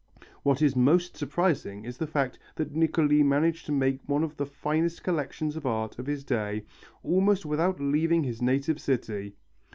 What is most surprising is the fact that Niccoli managed to make one of the finest collections of art of his day almost without leaving his native city.